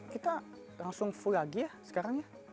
kita langsung full lagi ya sekarang ya